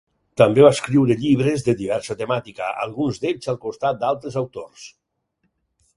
També va escriure llibres de diversa temàtica, alguns d'ells al costat d'altres autors.